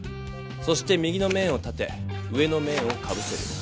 そして右の面を立て上の面をかぶせる。